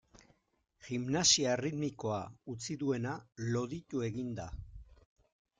Gimnasia erritmikoa utzi duena loditu egin da.